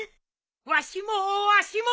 わしもわしも！